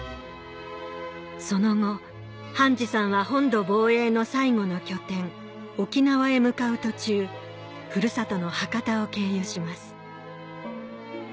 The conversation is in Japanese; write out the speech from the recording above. その後半次さんは本土防衛の最後の拠点沖縄へ向かう途中ふるさとの博多を経由します